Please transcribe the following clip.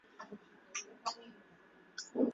hii haibadilishi ukweli kwamba alikuwa mwanamke wa pekee